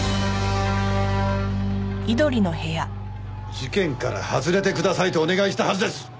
事件から外れてくださいとお願いしたはずです！